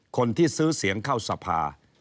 คนที่ซื้อเสียงเข้าสภา